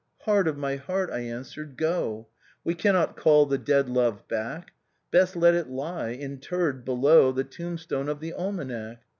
'*" Heart of my heart !" I answered, " Go I We cannot call the dead love back; Best let it lie, interred, below The tombstone of the almanac.